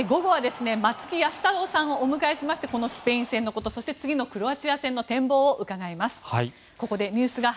午後は松木安太郎さんをお迎えしましてスペインのことそして次のクロアチア戦の展望を伺います。